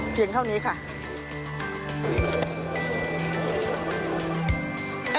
เพียงเท่านี้ค่ะ